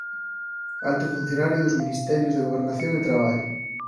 Alto funcionario dos ministerios de Gobernación e Traballo.